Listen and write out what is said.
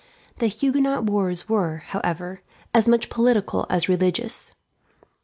The Huguenot wars were, however, as much political as religious.